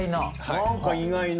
何か意外な。